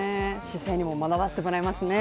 姿勢にも学ばせてもらえますね。